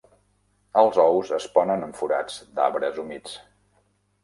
Els ous es ponen en forats d'arbres humits.